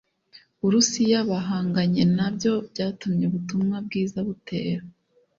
Burusiya bahanganye na byo byatumye ubutumwa bwiza butera